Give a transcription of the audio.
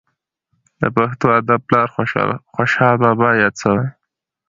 د پښتو ادب پلار خوشحال بابا یاد سوى.